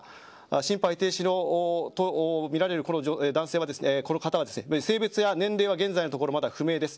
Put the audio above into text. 心肺停止とみられるこの方は性別や年齢は現在のところ、まだ不明です。